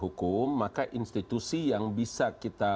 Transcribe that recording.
hukum maka institusi yang bisa kita